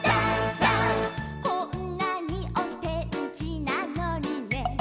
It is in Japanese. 「こんなにおてんきなのにね」